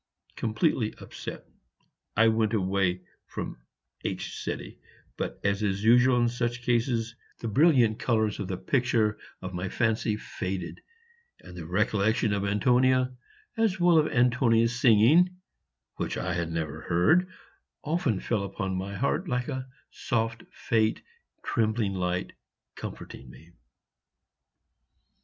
Completely upset, I went away from H ; but, as is usual in such cases, the brilliant colors of the picture of my fancy faded, and the recollection of Antonia, as well as of Antonia's singing (which I had never heard), often fell upon my heart like a soft faint trembling light, comforting me.